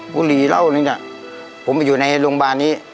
บุรีเหล้านึงน่ะผมไปอยู่ในโรงพยาบาลนี้